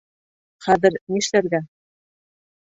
Хәҙер нишләргә?